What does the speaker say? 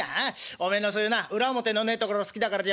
おめえのそういうな裏表のねえところ好きだからつきあってやろう。